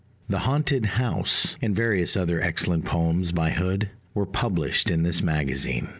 The Haunted House, and various other excellent poems by Hood, were published in this magazine.